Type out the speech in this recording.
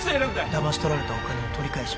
ダマし取られたお金を取り返します